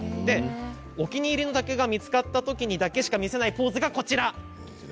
お気に入りの竹が見つかった時にだけしか見せないポーズがこちらです。